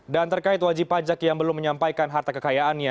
dan terkait wajib pajak yang belum menyampaikan harta kekayaannya